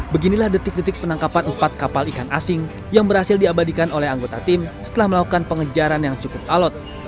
beginilah detik detik penangkapan empat kapal ikan asing yang berhasil diabadikan oleh anggota tim setelah melakukan pengejaran yang cukup alot